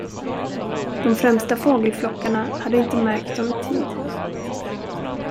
De främsta fågelflockarna hade inte märkt dem i tid.